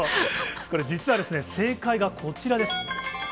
これ、実は正解はこちらです。